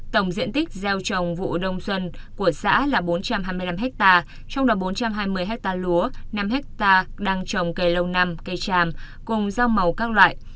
tổng diện tích gieo trồng vụ đông xuân của xã là bốn trăm hai mươi năm ha trong đó bốn trăm hai mươi hectare lúa năm hectare đang trồng cây lâu năm cây tràm cùng rau màu các loại